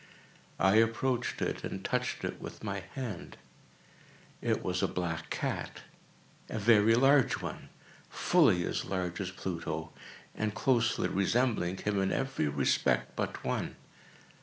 I approached it, and touched it with my hand. It was a black cat—a very large one—fully as large as Pluto, and closely resembling him in every respect but one.